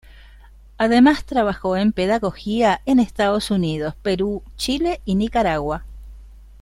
Además, trabajó en Pedagogía en Estados Unidos, Perú, Chile y Nicaragua.